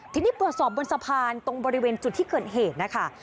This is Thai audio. ทีนี้ตรวจสอบบนสะพานตรงบริเวณจุดที่เกิดเหตุนะคะ